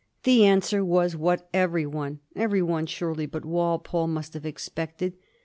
The answer was what every one — every one, surely, but Walpole, must have expected.